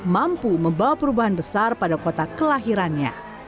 mampu membawa perubahan besar pada kota kelahirannya